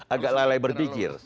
agak lalai berpikir